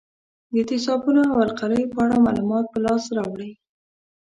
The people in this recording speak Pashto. د تیزابونو او القلیو په اړه معلومات په لاس راوړئ.